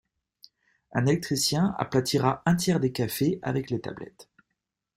Un électricien aplatira un tiers des cafés avec les tablettes.